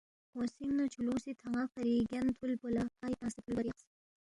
اوسینگ نہ چھولونگسی تھانا فری گیان تھول پُو لا ہائے تنگسے تھولبا ریاقس۔